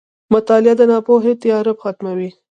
• مطالعه د ناپوهۍ تیاره ختموي.